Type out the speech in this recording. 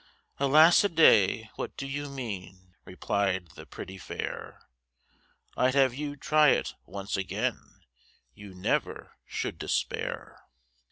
Alas a day, what do you mean, Reply'd the pretty fair; I'd have you try it once again, You never should despair.